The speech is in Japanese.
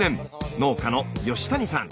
農家の吉谷さん。